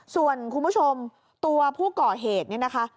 ส่วนคุณผู้ชมตัวผู้ก่อเหตุเนี่ยนะคะ